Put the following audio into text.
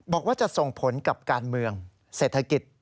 บอกว่าจะส่งผลกับการเมืองเศรษฐกิจ